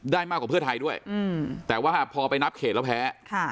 มากกว่าเพื่อไทยด้วยแต่ว่าพอไปนับเขตแล้วแพ้